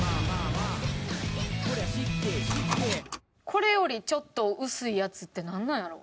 これよりちょっと薄いやつってなんなんやろ。